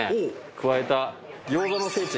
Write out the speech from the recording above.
加えた餃子の聖地